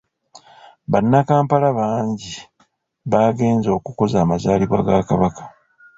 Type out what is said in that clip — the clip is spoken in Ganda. Bannakampala bangi bagenze okukuza amazaalibwa ga Kabaka.